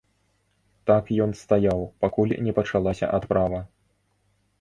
Так ён стаяў, пакуль не пачалася адправа.